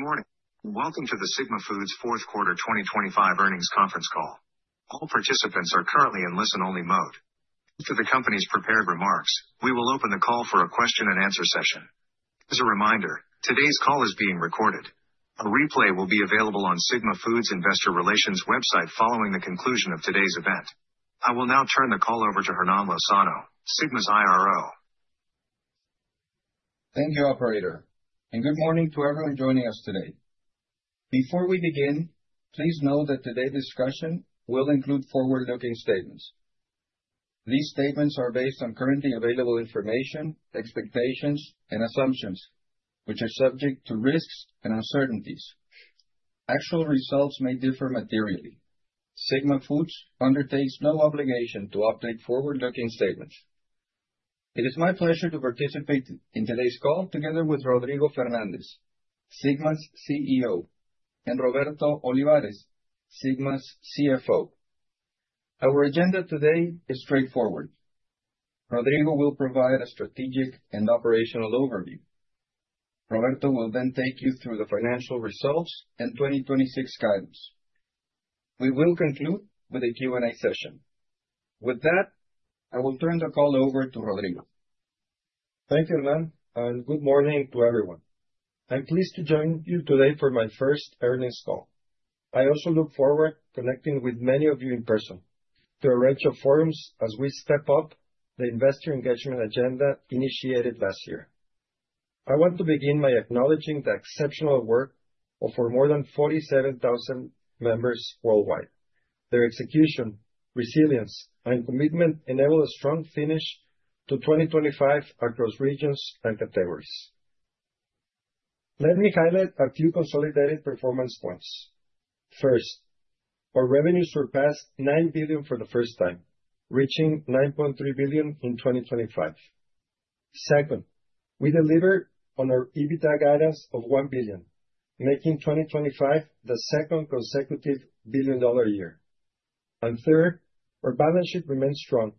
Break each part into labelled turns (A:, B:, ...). A: Good morning! Welcome to the Sigma Foods Fourth Quarter 2025 earnings conference call. All participants are currently in listen-only mode. To the company's prepared remarks, we will open the call for a question-and-answer session. As a reminder, today's call is being recorded. A replay will be available on Sigma Foods Investor Relations website following the conclusion of today's event. I will now turn the call over to Hernán Lozano, Sigma's IRO.
B: Thank you, operator, and good morning to everyone joining us today. Before we begin, please know that today's discussion will include forward-looking statements. These statements are based on currently available information, expectations, and assumptions, which are subject to risks and uncertainties. Actual results may differ materially. Sigma Foods undertakes no obligation to update forward-looking statements. It is my pleasure to participate in today's call together with Rodrigo Fernández, Sigma's CEO, and Roberto Olivares, Sigma's CFO. Our agenda today is straightforward. Rodrigo will provide a strategic and operational overview. Roberto will then take you through the financial results and 2026 guidance. We will conclude with a Q&A session. With that, I will turn the call over to Rodrigo.
C: Thank you, Hernán, and good morning to everyone. I'm pleased to join you today for my first earnings call. I also look forward to connecting with many of you in person through a range of forums as we step up the investor engagement agenda initiated last year. I want to begin by acknowledging the exceptional work of our more than 47,000 members worldwide. Their execution, resilience and commitment enable a strong finish to 2025 across regions and categories. Let me highlight a few consolidated performance points. First, our revenues surpassed $9 billion for the first time, reaching $9.3 billion in 2025. Second, we delivered on our EBITDA guidance of $1 billion, making 2025 the second consecutive billion-dollar year. And third, our balance sheet remains strong,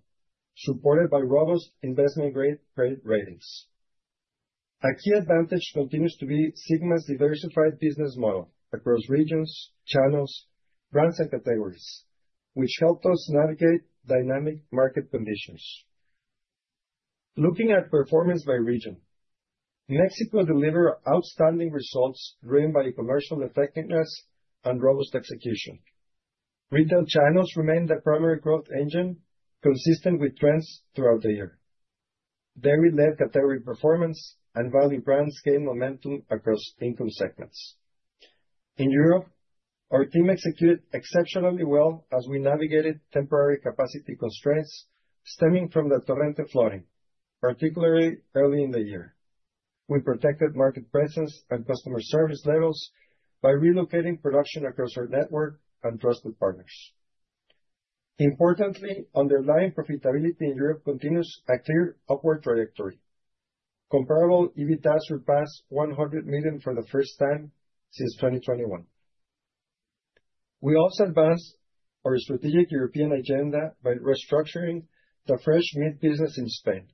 C: supported by robust investment-grade credit ratings. A key advantage continues to be Sigma's diversified business model across regions, channels, brands, and categories, which helped us navigate dynamic market conditions. Looking at performance by region, Mexico delivered outstanding results, driven by commercial effectiveness and robust execution. Retail channels remained the primary growth engine, consistent with trends throughout the year. Dairy-led category performance and value brands gained momentum across income segments. In Europe, our team executed exceptionally well as we navigated temporary capacity constraints stemming from the torrential flooding, particularly early in the year. We protected market presence and customer service levels by relocating production across our network and trusted partners. Importantly, underlying profitability in Europe continues a clear upward trajectory. Comparable EBITDA surpassed $100 million for the first time since 2021. We also advanced our strategic European agenda by restructuring the fresh meat business in Spain.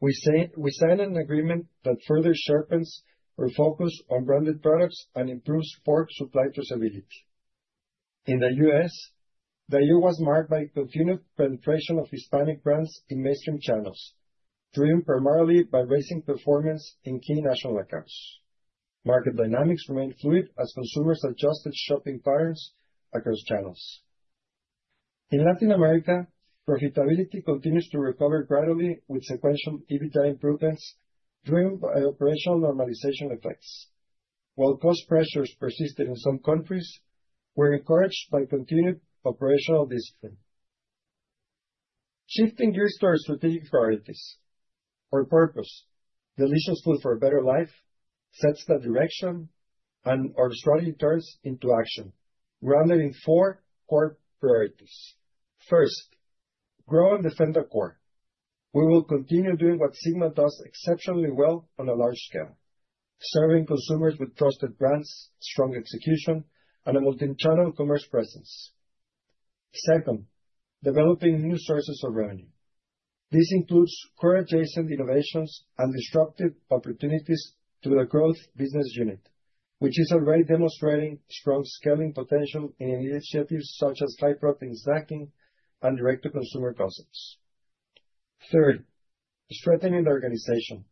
C: We signed an agreement that further sharpens our focus on branded products and improves pork supply traceability. In the U.S., the year was marked by continued penetration of Hispanic brands in mainstream channels, driven primarily by raising performance in key national accounts. Market dynamics remained fluid as consumers adjusted shopping patterns across channels. In Latin America, profitability continues to recover gradually, with sequential EBITDA improvements driven by operational normalization effects. While cost pressures persisted in some countries, we're encouraged by continued operational discipline. Shifting gears to our strategic priorities, our purpose, delicious food for a better life, sets the direction and our strategy turns into action, rounded in four core priorities. First, grow and defend our core. We will continue doing what Sigma does exceptionally well on a large scale, serving consumers with trusted brands, strong execution, and a multi-channel commerce presence. Second, developing new sources of revenue. This includes core adjacent innovations and disruptive opportunities to the Growth Business Unit, which is already demonstrating strong scaling potential in initiatives such as high-protein snacking and direct-to-consumer concepts. Third, strengthening the organization.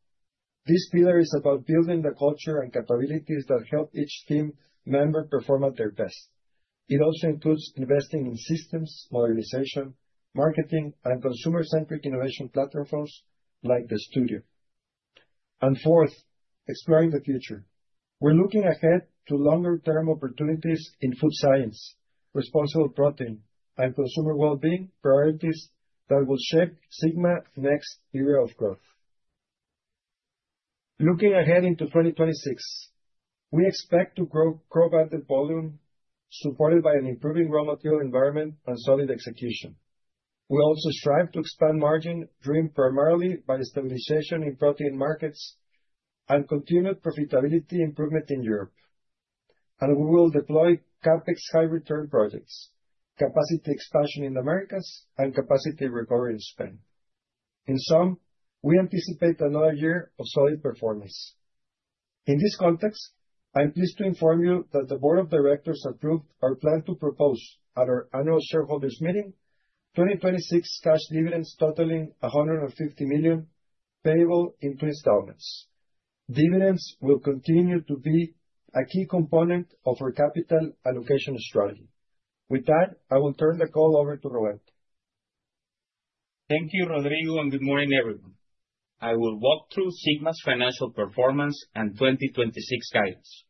C: This pillar is about building the culture and capabilities that help each team member perform at their best. It also includes investing in systems, modernization, marketing, and consumer-centric innovation platforms like The Studio. And fourth, exploring the future. We're looking ahead to longer-term opportunities in food science, responsible protein, and consumer well-being priorities that will shape Sigma next era of growth. Looking ahead into 2026, we expect to grow crop at the volume, supported by an improving raw material environment and solid execution. We also strive to expand margin driven primarily by the stabilization in protein markets and continued profitability improvement in Europe. We will deploy CapEx high return projects, capacity expansion in Americas and capacity recovery in Spain... In sum, we anticipate another year of solid performance. In this context, I'm pleased to inform you that the board of directors approved our plan to propose at our Annual Shareholders' Meeting, 2026 cash dividends totaling $150 million, payable in installments. Dividends will continue to be a key component of our capital allocation strategy. With that, I will turn the call over to Roberto.
D: Thank you, Rodrigo, and good morning, everyone. I will walk through Sigma's financial performance and 2026 guidance.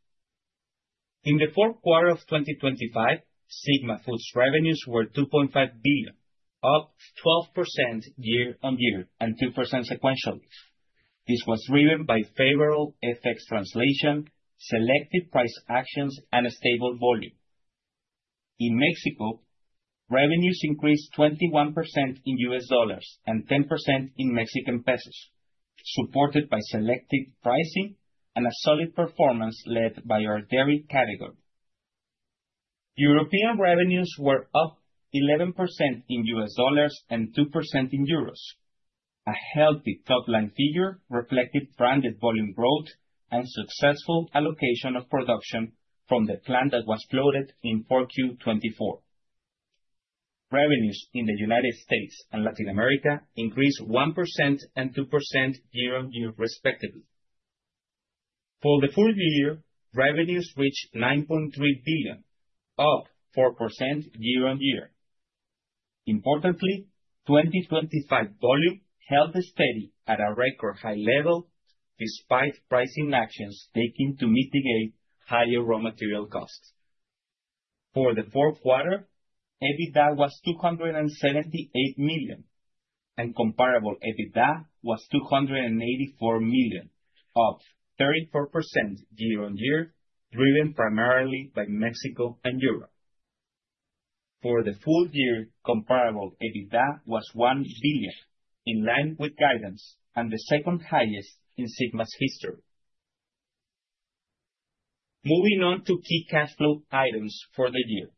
D: In the fourth quarter of 2025, Sigma Foods revenues were $2.5 billion, up 12% year-on-year and 2% sequentially. This was driven by favorable FX translation, selective price actions, and a stable volume. In Mexico, revenues increased 21% in U.S. dollars and 10% in Mexican pesos, supported by selective pricing and a solid performance led by our dairy category. European revenues were up 11% in U.S. dollars and 2% in euros. A healthy top-line figure reflected branded volume growth and successful allocation of production from the plant that was flooded in 4Q24. Revenues in the United States and Latin America increased 1% and 2% year-on-year, respectively. For the full year, revenues reached $9.3 billion, up 4% year-over-year. Importantly, 2025 volume held steady at a record high level, despite pricing actions taken to mitigate higher raw material costs. For the fourth quarter, EBITDA was $278 million, and comparable EBITDA was $284 million, up 34% year-over-year, driven primarily by Mexico and Europe. For the full year, comparable EBITDA was $1 billion, in line with guidance and the second highest in Sigma's history. Moving on to key cash flow items for the year.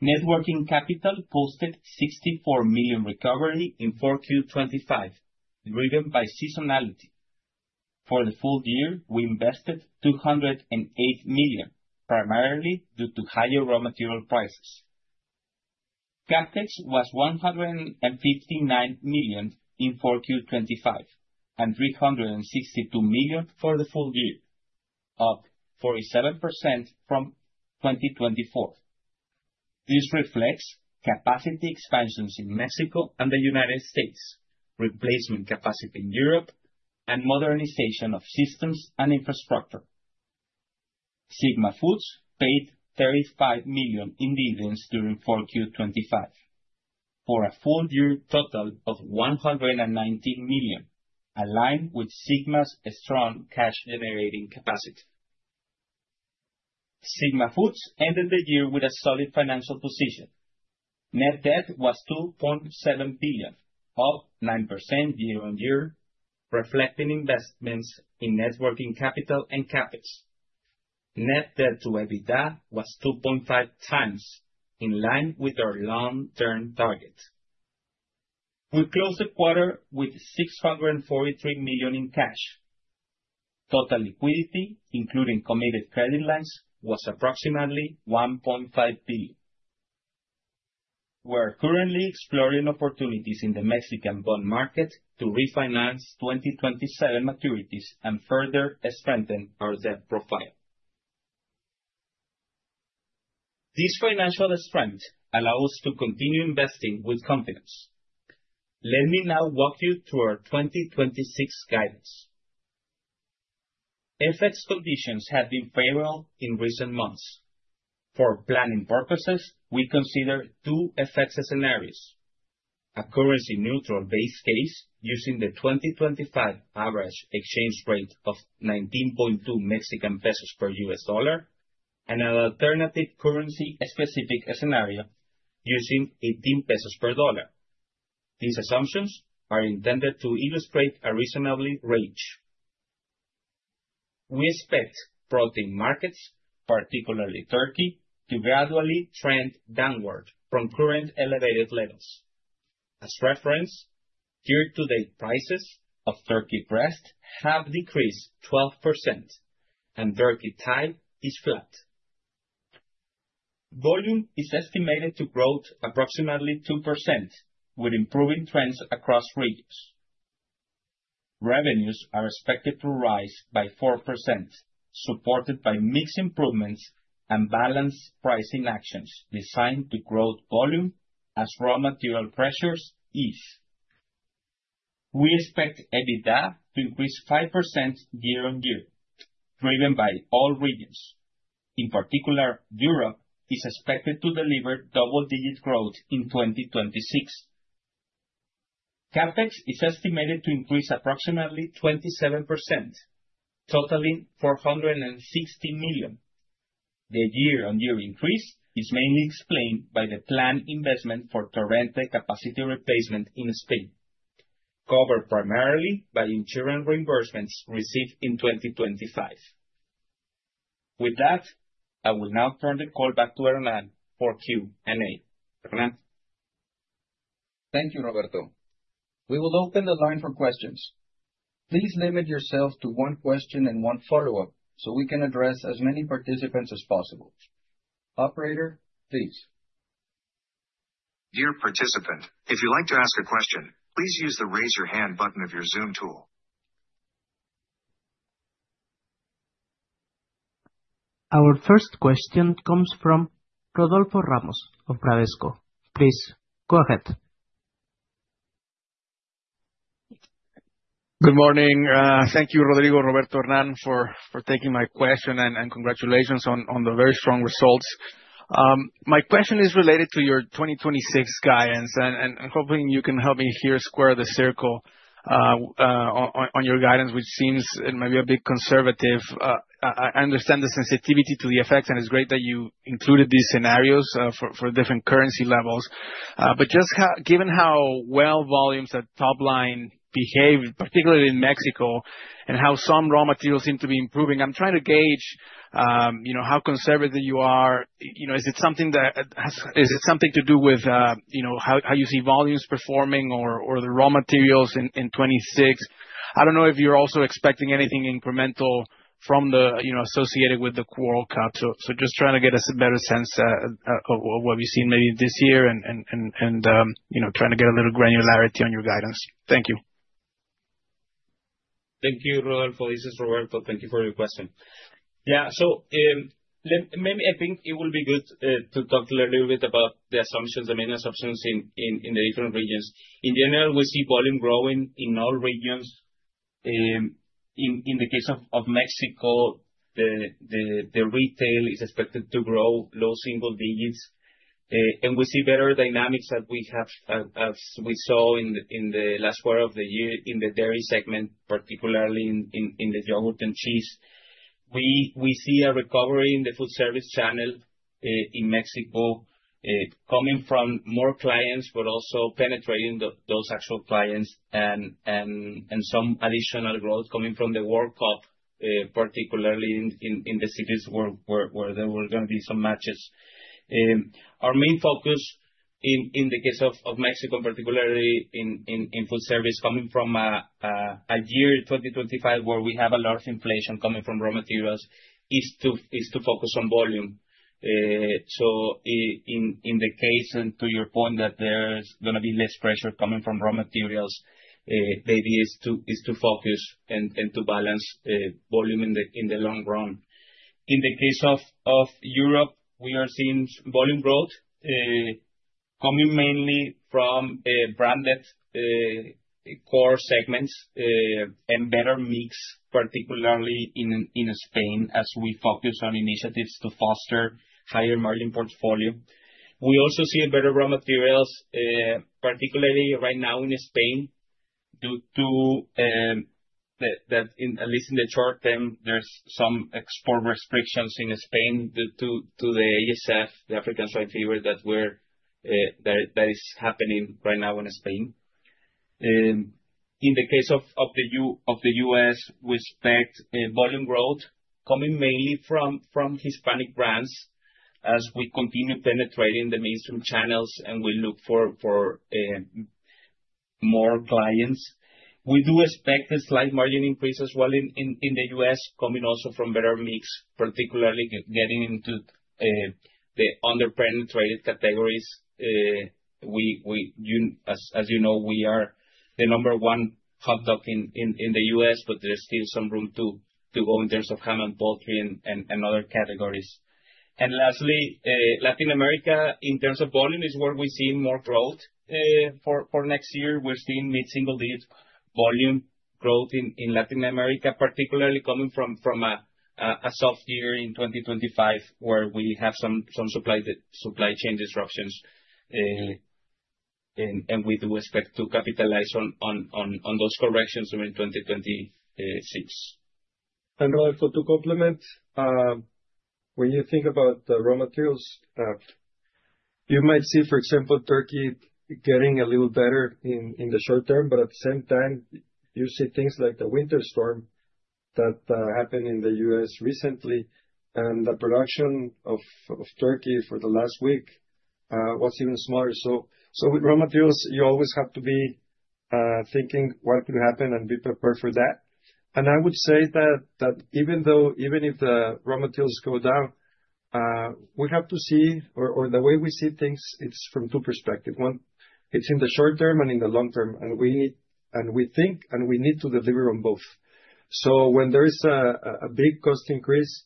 D: Net working capital posted $64 million recovery in 4Q25, driven by seasonality. For the full year, we invested $208 million, primarily due to higher raw material prices. CapEx was $159 million in 4Q25, and $362 million for the full year, up 47% from 2024. This reflects capacity expansions in Mexico and the United States, replacement capacity in Europe, and modernization of systems and infrastructure. Sigma Foods paid $35 million in dividends during 4Q25, for a full year total of $119 million, aligned with Sigma's strong cash-generating capacity. Sigma Foods ended the year with a solid financial position. Net Debt was $2.7 billion, up 9% year-on-year, reflecting investments in net working capital and CapEx. Net Debt to EBITDA was 2.5 times, in line with our long-term target. We closed the quarter with $643 million in cash. Total liquidity, including committed credit lines, was approximately $1.5 billion. We are currently exploring opportunities in the Mexican bond market to refinance 2027 maturities and further strengthen our debt profile. This financial strength allows us to continue investing with confidence. Let me now walk you through our 2026 guidance. FX conditions have been favorable in recent months. For planning purposes, we consider two FX scenarios: a currency-neutral base case using the 2025 average exchange rate of 19.2 Mexican pesos per USD, and an alternative currency-specific scenario using 18 pesos per USD. These assumptions are intended to illustrate a reasonable range. We expect protein markets, particularly turkey, to gradually trend downward from current elevated levels. As reference, year-to-date prices of turkey breast have decreased 12%, and turkey thigh is flat. Volume is estimated to grow approximately 2%, with improving trends across regions. Revenues are expected to rise by 4%, supported by mix improvements and balanced pricing actions designed to grow volume as raw material pressures ease. We expect EBITDA to increase 5% year-on-year, driven by all regions. In particular, Europe is expected to deliver double-digit growth in 2026. CapEx is estimated to increase approximately 27%, totaling $460 million. The year-on-year increase is mainly explained by the planned investment for Torrent capacity replacement in Spain, covered primarily by insurance reimbursements received in 2025. With that, I will now turn the call back to Hernán for Q&A. Hernán?
B: Thank you, Roberto. We will open the line for questions. Please limit yourself to one question and one follow-up, so we can address as many participants as possible. Operator, please.
A: Dear participant, if you'd like to ask a question, please use the Raise Your Hand button of your Zoom tool. Our first question comes from Rodolfo Ramos of Bradesco. Please, go ahead.
E: Good morning. Thank you, Rodrigo, Roberto, Hernán, for taking my question, and congratulations on the very strong results. My question is related to your 2026 guidance, and I'm hoping you can help me here square the circle on your guidance, which seems it might be a bit conservative. I understand the sensitivity to the effects, and it's great that you included these scenarios for different currency levels. But just how, given how well volumes at top line behaved, particularly in Mexico, and how some raw materials seem to be improving, I'm trying to gauge, you know, how conservative you are. You know, is it something to do with, you know, how you see volumes performing or the raw materials in 2026? I don't know if you're also expecting anything incremental from the, you know, associated with the World Cup. So just trying to get us a better sense of what you see maybe this year and, you know, trying to get a little granularity on your guidance. Thank you.
D: Thank you, Rodolfo. This is Roberto. Thank you for your question. Yeah, so, maybe I think it will be good to talk a little bit about the assumptions, the main assumptions in the different regions. In general, we see volume growing in all regions. In the case of Mexico, the retail is expected to grow low single digits. And we see better dynamics that we have as we saw in the last quarter of the year in the dairy segment, particularly in the yogurt and cheese. We see a recovery in the food service channel in Mexico coming from more clients, but also penetrating those actual clients, and some additional growth coming from the World Cup, particularly in the cities where there were gonna be some matches. Our main focus in the case of Mexico, particularly in food service, coming from a year, 2025, where we have a large inflation coming from raw materials, is to focus on volume. So in the case, and to your point, that there's gonna be less pressure coming from raw materials, the idea is to focus and to balance volume in the long run. In the case of Europe, we are seeing volume growth coming mainly from branded core segments and better mix, particularly in Spain, as we focus on initiatives to foster higher margin portfolio. We also see better raw materials particularly right now in Spain, due to that, in at least the short term, there's some export restrictions in Spain due to the ASF, the African Swine Fever, that is happening right now in Spain. In the case of the U.S., we expect volume growth coming mainly from Hispanic brands, as we continue penetrating the mainstream channels, and we look for more clients. We do expect a slight margin increase as well in the US, coming also from better mix, particularly getting into the underpenetrated categories. As you know, we are the number one hot dog in the US, but there's still some room to go in terms of ham and poultry and other categories. And lastly, Latin America, in terms of volume, is where we're seeing more growth for next year. We're seeing mid-single digits volume growth in Latin America, particularly coming from a soft year in 2025, where we have some supply chain disruptions. And we do expect to capitalize on those corrections during 2026.
C: And also to complement, when you think about the raw materials, you might see, for example, turkey getting a little better in the short term, but at the same time, you see things like the winter storm that happened in the U.S. recently, and the production of turkey for the last week was even smaller. So with raw materials, you always have to be thinking what could happen and be prepared for that. And I would say that even though... even if the raw materials go down, we have to see, or the way we see things, it's from two perspectives. One, it's in the short term and in the long term, and we need, and we think, and we need to deliver on both. So when there is a big cost increase,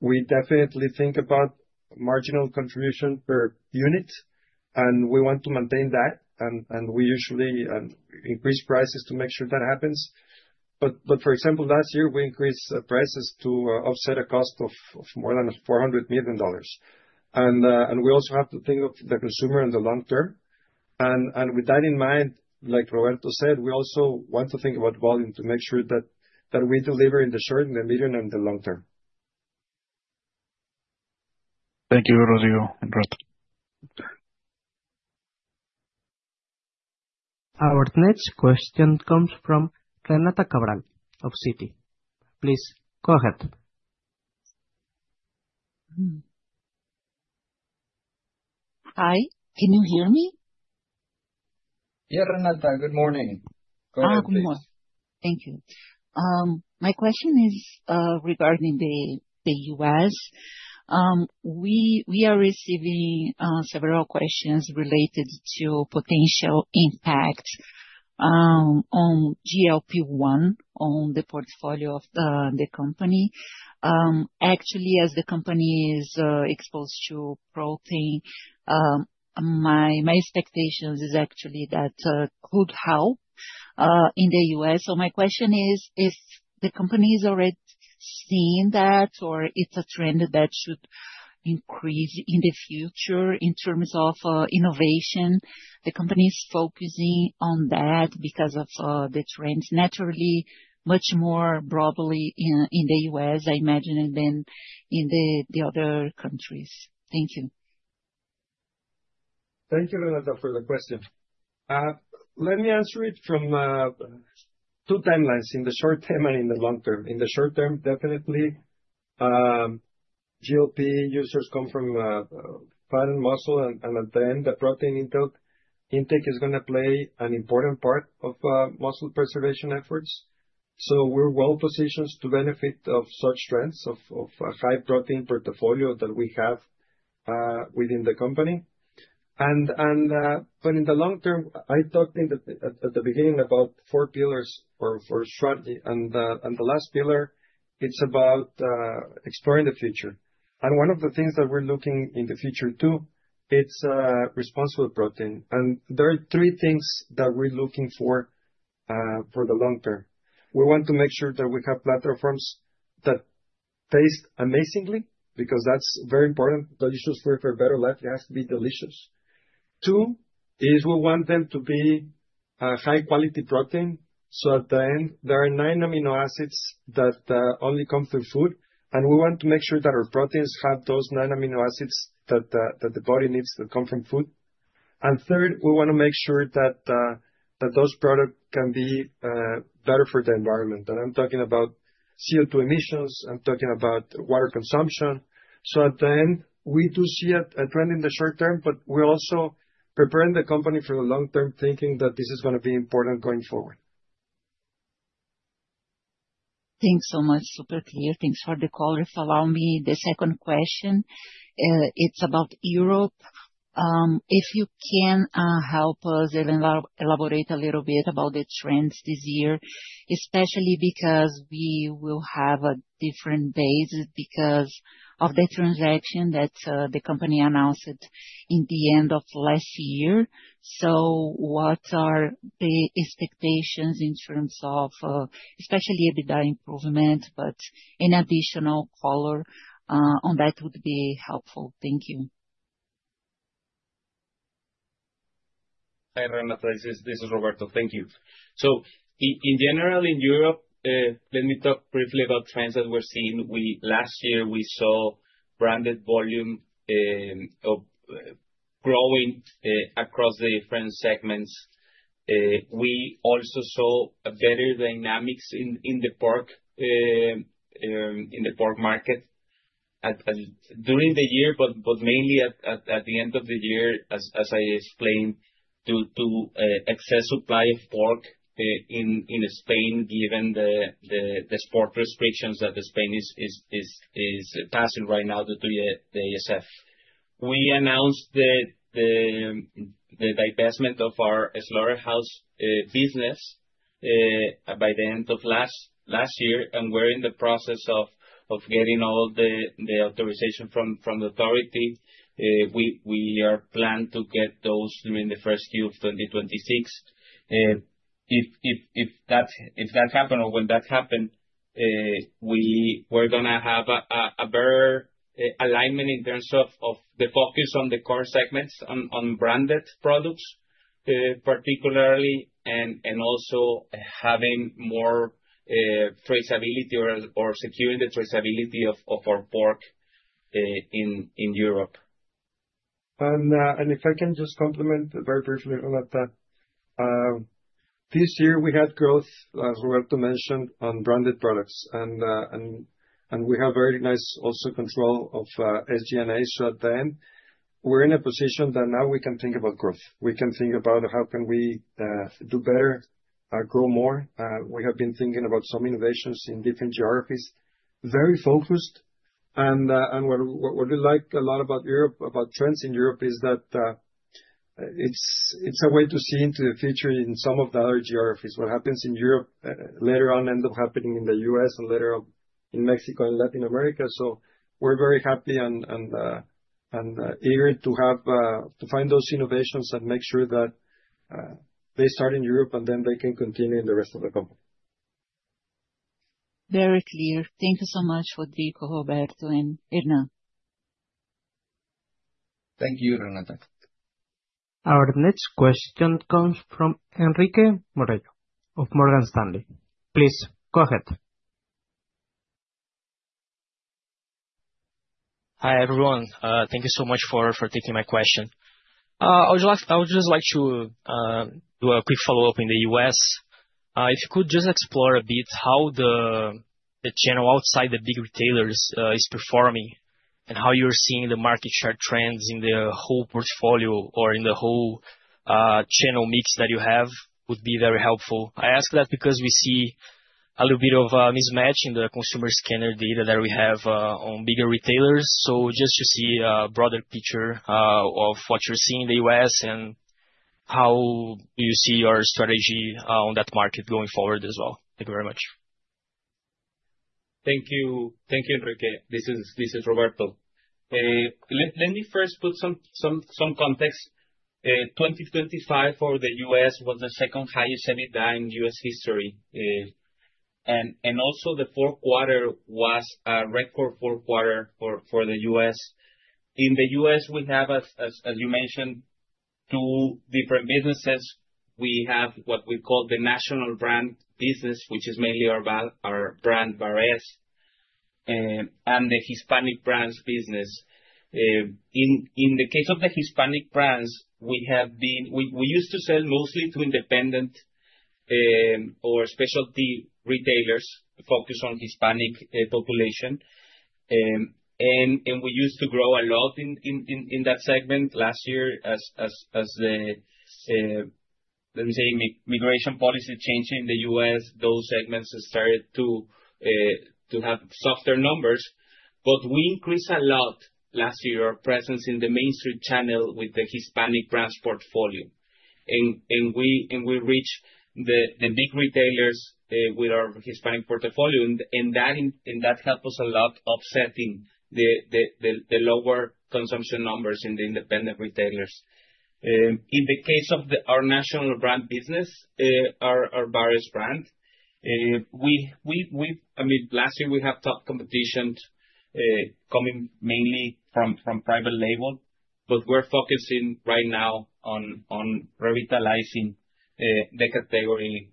C: we definitely think about marginal contribution per unit, and we want to maintain that. And we usually increase prices to make sure that happens. But for example, last year, we increased prices to offset a cost of more than $400 million. And we also have to think of the consumer in the long term, and with that in mind, like Roberto said, we also want to think about volume to make sure that we deliver in the short, the medium, and the long term.
E: Thank you, Rodrigo and Rodolfo.
A: Our next question comes from Renata Cabral of Citi. Please go ahead.
F: Hi, can you hear me?
C: Yeah, Renata, good morning. Go ahead, please.
F: Good morning. Thank you. My question is regarding the U.S. We are receiving several questions related to potential impact on GLP-1 on the portfolio of the company. Actually, as the company is exposed to protein, my expectations is actually that could help in the U.S. So my question is: If the company's already seen that, or it's a trend that should increase in the future, in terms of innovation, the company is focusing on that because of the trends, naturally, much more broadly in the U.S., I imagine, than in the other countries. Thank you.
C: Thank you, Renata, for the question. Let me answer it from two timelines, in the short term and in the long term. In the short term, definitely, GLP users come from muscle, and at the end, the protein intake is gonna play an important part of muscle preservation efforts. So we're well positioned to benefit of such trends of a high protein portfolio that we have within the company. But in the long term, I talked at the beginning about four pillars for strategy. And the last pillar, it's about exploring the future. And one of the things that we're looking in the future, too, it's responsible protein. And there are three things that we're looking for the long term. We want to make sure that we have platforms that taste amazingly, because that's very important. Delicious food for a better life, it has to be delicious. Two, is we want them to be, high quality protein, so at the end, there are nine amino acids that, only come through food, and we want to make sure that our proteins have those nine amino acids that, that the body needs, that come from food. And third, we wanna make sure that, that those products can be, better for the environment. And I'm talking about CO2 emissions, I'm talking about water consumption. So at the end, we do see a trend in the short term, but we're also preparing the company for the long term, thinking that this is gonna be important going forward.
F: Thanks so much. Super clear. Thanks for the call. If allow me, the second question, it's about Europe. If you can help us elaborate, elaborate a little bit about the trends this year, especially because we will have a different base because of the transaction that the company announced it in the end of last year. So what are the expectations in terms of, especially EBITDA improvement, but any additional color on that would be helpful. Thank you.
D: Hi, Renata, this is Roberto. Thank you. So in general, in Europe, let me talk briefly about trends that we're seeing. Last year, we saw branded volume growing across the different segments. We also saw a better dynamics in the pork market during the year, but mainly at the end of the year, as I explained, due to excess supply of pork in Spain, given the pork restrictions that Spain is passing right now due to the ASF. We announced the divestment of our slaughterhouse business by the end of last year, and we're in the process of getting all the authorization from the authority. We are planned to get those during the 1st Q of 2026. If that happen or when that happen, we're gonna have a better alignment in terms of the focus on the core segments, on branded products, particularly, and also having more traceability or securing the traceability of our pork in Europe.
C: And if I can just comment very briefly on that. This year, we had growth, as Roberto mentioned, on branded products, and we have very nice also control of SG&A. So at the end, we're in a position that now we can think about growth. We can think about how can we do better, grow more. We have been thinking about some innovations in different geographies, very focused, and what we like a lot about Europe, about trends in Europe, is that it's a way to see into the future in some of the other geographies. What happens in Europe later on end up happening in the U.S. and later on in Mexico and Latin America. So we're very happy and, and, eager to have to find those innovations and make sure that they start in Europe, and then they can continue in the rest of the company.
F: Very clear. Thank you so much, Rodrigo, Roberto, and Hernán.
D: Thank you, Renata.
A: Our next question comes from Henrique Morello of Morgan Stanley. Please go ahead.
G: Hi, everyone. Thank you so much for taking my question. I would like, I would just like to do a quick follow-up in the U.S. If you could just explore a bit how the channel outside the big retailers is performing, and how you're seeing the market share trends in the whole portfolio or in the whole channel mix that you have, would be very helpful. I ask that because we see a little bit of mismatch in the consumer scanner data that we have on bigger retailers. So just to see a broader picture of what you're seeing in the U.S., and how you see your strategy on that market going forward as well. Thank you very much.
D: Thank you. Thank you, Henrique. This is Roberto. Let me first put some context. 2025 for the U.S. was the second highest anytime in U.S. history. And also the fourth quarter was a record fourth quarter for the U.S. In the U.S., we have, as you mentioned, 2 different businesses. We have what we call the national brand business, which is mainly our Bar-S brand, and the Hispanic brands business. In the case of the Hispanic brands, we used to sell mostly to independent or specialty retailers focused on Hispanic population. And we used to grow a lot in that segment. Last year, as there was a migration policy change in the U.S., those segments started to have softer numbers. But we increased a lot last year, our presence in the mainstream channel with the Hispanic brands portfolio. And we reached the big retailers with our Hispanic portfolio, and that helped us a lot offsetting the lower consumption numbers in the independent retailers. In the case of our national brand business, our Bar-S brand, I mean, last year we have tough competitions coming mainly from private label, but we're focusing right now on revitalizing the category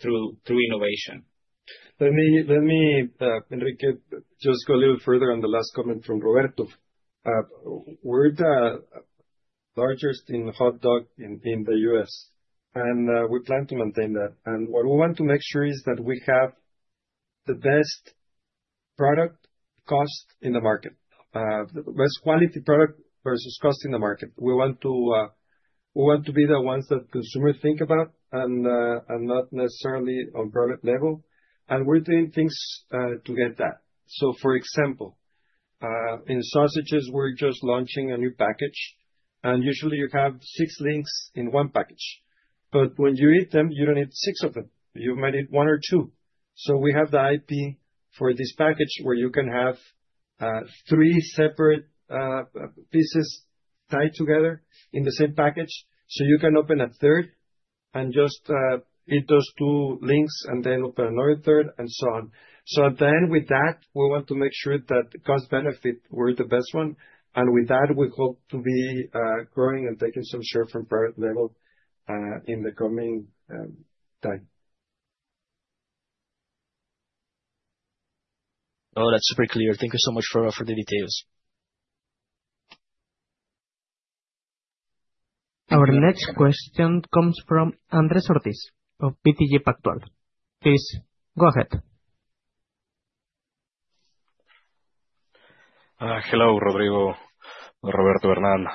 D: through innovation.
C: Let me, Henrique, just go a little further on the last comment from Roberto. We're the largest in hot dog in the U.S., and we plan to maintain that. And what we want to make sure is that we have the best product cost in the market, the best quality product versus cost in the market. We want to, we want to be the ones that consumers think about, and, and not necessarily on product level, and we're doing things to get that. So, for example, in sausages, we're just launching a new package, and usually you have six links in one package. But when you eat them, you don't eat six of them, you might eat one or two. So we have the IP for this package, where you can have three separate pieces tied together in the same package. So you can open a third and just eat those two links, and then open another third, and so on. So then with that, we want to make sure that the cost benefit, we're the best one, and with that, we hope to be growing and taking some share from private label in the coming time.
G: Oh, that's super clear. Thank you so much for, for the details.
A: Our next question comes from Andrés Ortiz of BTG Pactual. Please go ahead.
H: Hello, Rodrigo, Roberto, Hernán.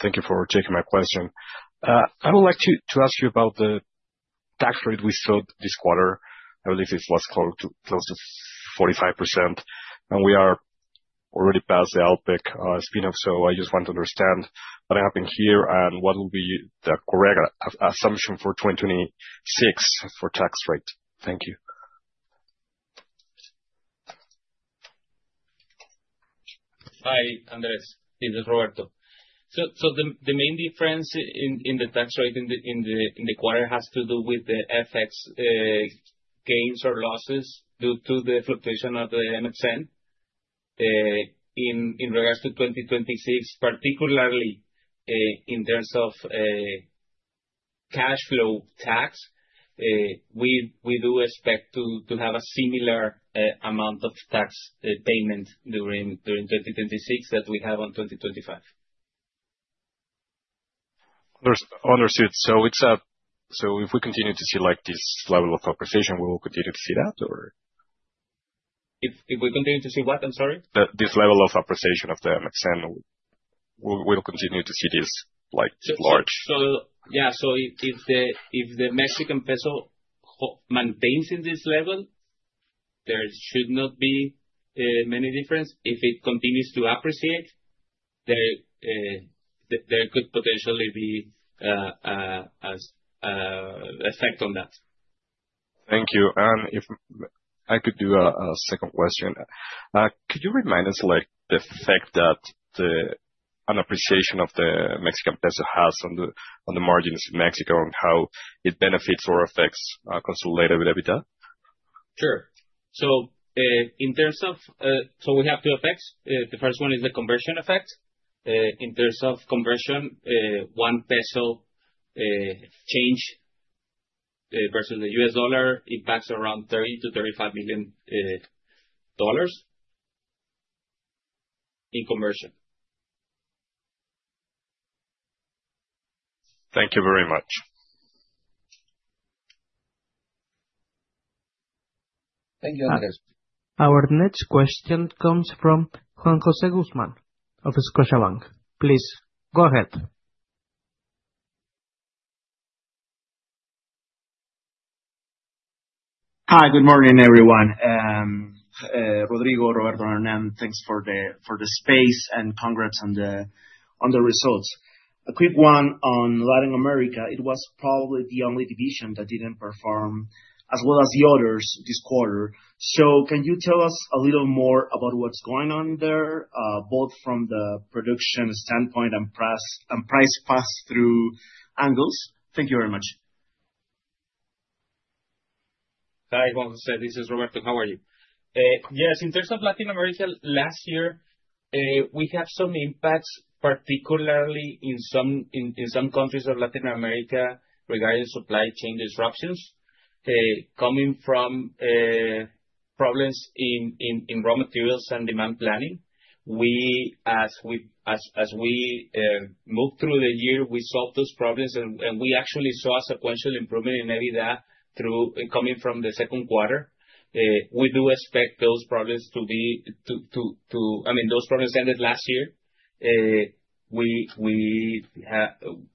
H: Thank you for taking my question. I would like to ask you about the tax rate we saw this quarter. I believe it was close to 45%, and we are already past the Alpek spin-off, so I just want to understand what happened here, and what will be the correct assumption for 2026 for tax rate? Thank you.
D: Hi, Andrés. This is Roberto. So the main difference in the tax rate in the quarter has to do with the FX gains or losses due to the fluctuation of the MXN. In regards to 2026, particularly, in terms of cashflow tax, we do expect to have a similar amount of tax payment during 2026, as we have on 2025.
H: Understood. So it's so if we continue to see, like, this level of appreciation, we will continue to see that, or?
D: If we continue to see what? I'm sorry.
H: This level of appreciation of the MXN, we will continue to see this, like, large?
D: So, yeah. So if the Mexican peso maintains at this level, there should not be much difference. If it continues to appreciate, there could potentially be an effect on that.
H: Thank you. And if I could do a second question. Could you remind us, like, the effect that the, an appreciation of the Mexican peso has on the, on the margins in Mexico, and how it benefits or affects, consolidated EBITDA?
D: Sure. So, in terms of... So we have two effects. The first one is the conversion effect. In terms of conversion, one peso change versus the US dollar impacts around $30 million-$35 million in commercial.
H: Thank you very much.
D: Thank you, Andrés.
A: Our next question comes from Juan José Guzmán of Scotiabank. Please go ahead.
I: Hi, good morning, everyone. Rodrigo, Roberto, Hernán, thanks for the space, and congrats on the results. A quick one on Latin America. It was probably the only division that didn't perform as well as the others this quarter. So can you tell us a little more about what's going on there, both from the production standpoint and price, and price pass-through angles? Thank you very much.
D: Hi, Juan José, this is Roberto. How are you? Yes, in terms of Latin America, last year, we had some impacts, particularly in some countries of Latin America regarding supply chain disruptions, coming from problems in raw materials and demand planning. We, as we moved through the year, we solved those problems, and we actually saw a sequential improvement in EBITDA through... coming from the second quarter. We do expect those problems to be, I mean, those problems ended last year. We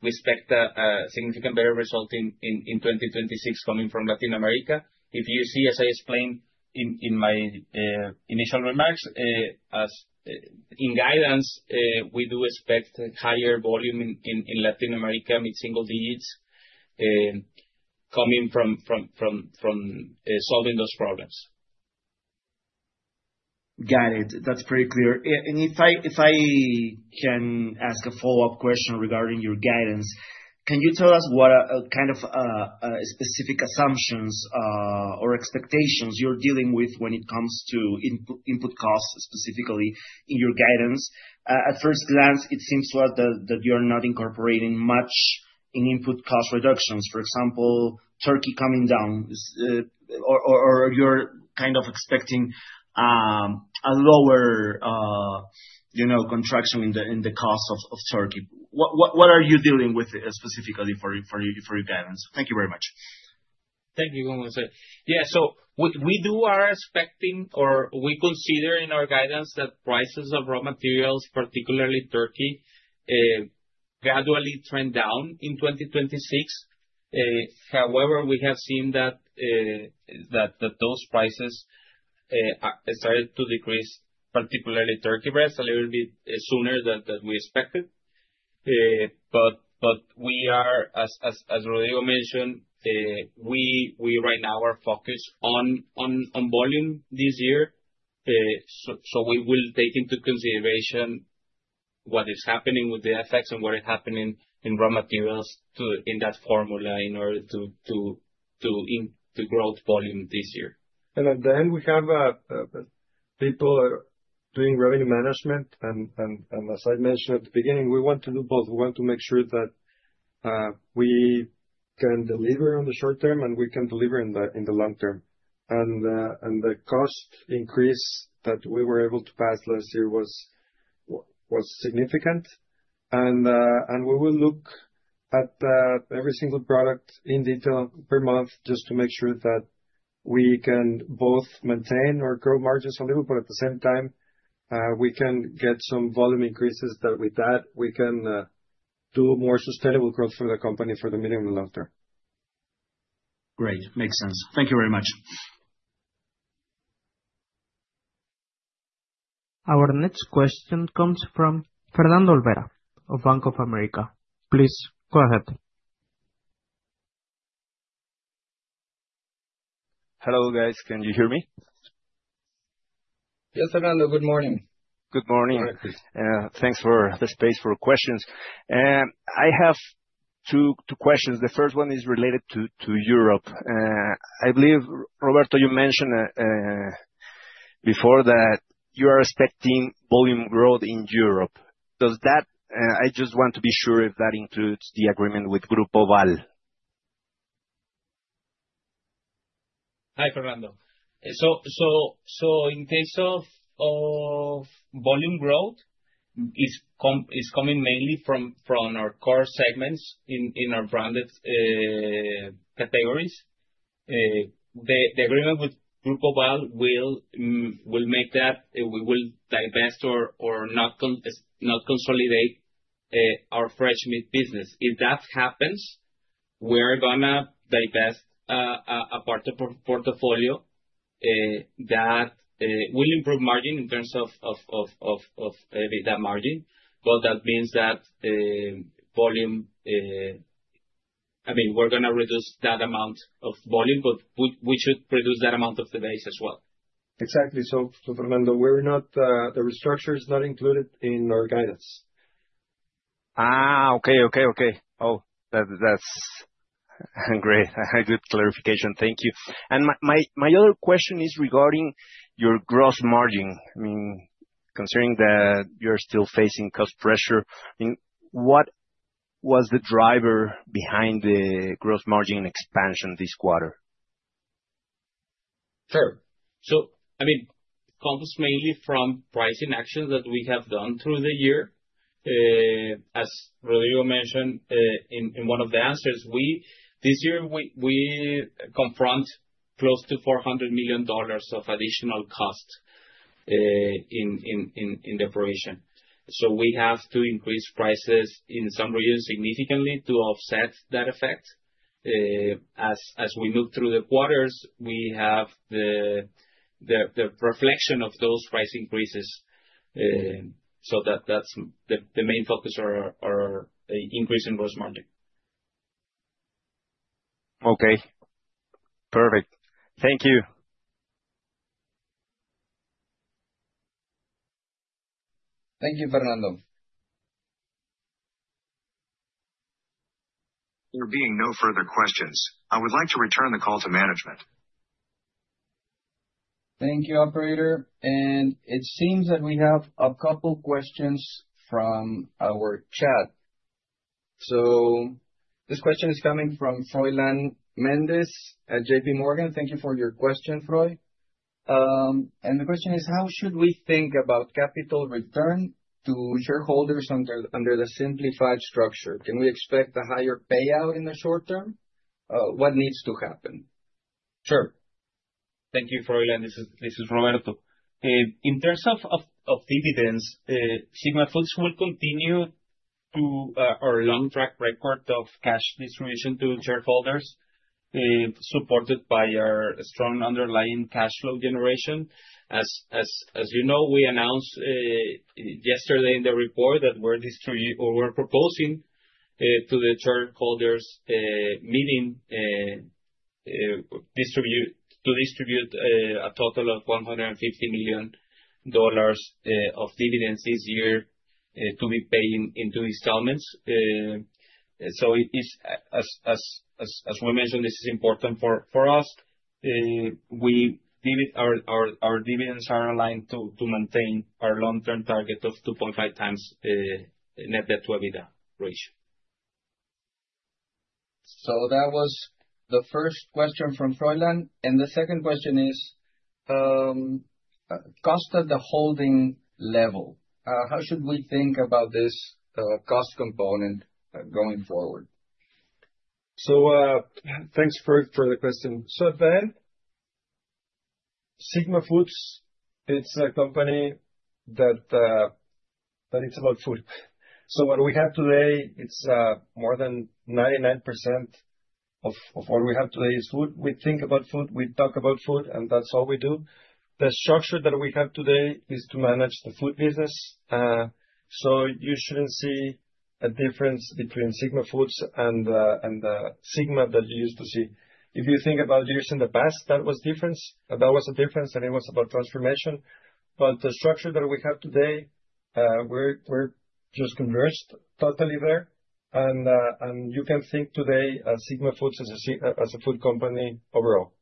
D: expect a significant better result in 2026 coming from Latin America. If you see, as I explained in my initial remarks, as in guidance, we do expect higher volume in Latin America, mid-single digits, coming from solving those problems.
I: Got it. That's pretty clear. And if I can ask a follow-up question regarding your guidance, can you tell us what kind of specific assumptions or expectations you're dealing with when it comes to input costs, specifically in your guidance? At first glance, it seems to us that you're not incorporating much in input cost reductions. For example, turkey coming down, or you're kind of expecting a lower you know contraction in the cost of turkey. What are you dealing with specifically for your guidance? Thank you very much.
D: Thank you, Juan Jose. Yeah, so we do are expecting or we consider in our guidance that prices of raw materials, particularly turkey, gradually trend down in 2026. However, we have seen that those prices started to decrease, particularly turkey breast, a little bit sooner than we expected. But we are, as Rodrigo mentioned, we right now are focused on volume this year. So we will take into consideration what is happening with the FX and what is happening in raw materials to, in that formula in order to grow volume this year.
C: At the end, we have people are doing revenue management, and as I mentioned at the beginning, we want to do both. We want to make sure that we can deliver on the short term, and we can deliver in the long term. The cost increase that we were able to pass last year was significant. We will look at every single product in detail per month, just to make sure that we can both maintain or grow margins a little, but at the same time, we can get some volume increases that with that, we can do more sustainable growth for the company for the medium and long term.
I: Great. Makes sense. Thank you very much.
A: Our next question comes from Fernando Olvera of Bank of America. Please go ahead.
J: Hello, guys, can you hear me?
D: Yes, Fernando, good morning.
J: Good morning.
D: Hi.
J: Thanks for the space for questions. I have two questions. The first one is related to Europe. I believe, Roberto, you mentioned before that you are expecting volume growth in Europe. Does that, I just want to be sure if that includes the agreement with Grupo Vall?
D: Hi, Fernando. So in case of volume growth, is coming mainly from our core segments in our branded categories. The agreement with Grupo Vall will make that we will divest or not consolidate our fresh meat business. If that happens, we are gonna divest a part of portfolio that will improve margin in terms of the margin. But that means that volume. I mean, we're gonna reduce that amount of volume, but we should reduce that amount of the base as well.
C: Exactly. So, Fernando, we're not, the restructure is not included in our guidance.
J: Ah, okay. Oh, that's great. A good clarification. Thank you. And my other question is regarding your gross margin. I mean, considering that you're still facing cost pressure, I mean, what was the driver behind the gross margin expansion this quarter?
D: Sure. So, I mean, it comes mainly from pricing actions that we have done through the year. As Rodrigo mentioned, in one of the answers, we this year, we confront close to $400 million of additional costs in the operation. So we have to increase prices in some regions significantly to offset that effect. As we move through the quarters, we have the reflection of those price increases. So that's the main focus are increase in gross margin.
J: Okay, perfect. Thank you.
B: Thank you, Fernando.
A: There being no further questions, I would like to return the call to management.
B: Thank you, operator. It seems that we have a couple questions from our chat. This question is coming from Froylan Mendez at JP Morgan. Thank you for your question, Froy. And the question is: How should we think about capital return to shareholders under the simplified structure? Can we expect a higher payout in the short term? What needs to happen?
D: Sure. Thank you, Froylan. This is Roberto. In terms of dividends, Sigma Foods will continue to our long track record of cash distribution to shareholders, supported by our strong underlying cash flow generation. As you know, we announced yesterday in the report that we're proposing to the shareholders meeting to distribute a total of $150 million of dividends this year to be paid in two installments. So it is, as we mentioned, this is important for us. Our dividends are aligned to maintain our long-term target of 2.5 times Net Debt to EBITDA ratio.
B: So that was the first question from Froylan. And the second question is, cost at the holding level, how should we think about this cost component going forward?
C: So, thanks, Froylan, for the question. So at the end, Sigma Foods is a company that, that it's about food. So what we have today, it's, more than 99% of what we have today is food. We think about food, we talk about food, and that's all we do. The structure that we have today is to manage the food business, so you shouldn't see a difference between Sigma Foods and, and, Sigma that you used to see. If you think about years in the past, that was difference, that was a difference, and it was about transformation. But the structure that we have today, we're, we're just converged totally there. And, and you can think today as Sigma Foods, as a as a food company overall.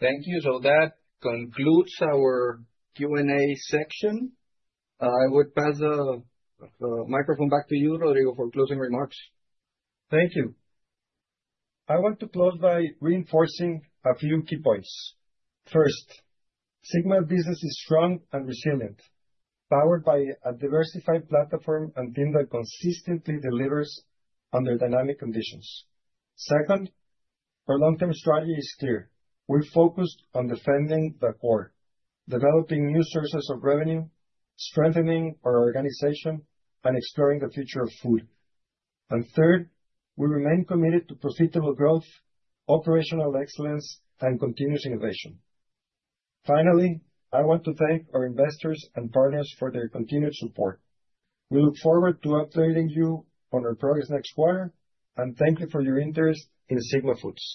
B: Thank you. That concludes our Q&A section. I would pass the microphone back to you, Rodrigo, for closing remarks.
C: Thank you. I want to close by reinforcing a few key points. First, Sigma business is strong and resilient, powered by a diversified platform and team that consistently delivers under dynamic conditions. Second, our long-term strategy is clear. We're focused on defending the core, developing new sources of revenue, strengthening our organization, and exploring the future of food. And third, we remain committed to profitable growth, operational excellence, and continuous innovation. Finally, I want to thank our investors and partners for their continued support. We look forward to updating you on our progress next quarter, and thank you for your interest in Sigma Foods.